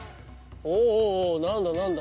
おおおお何だ何だ。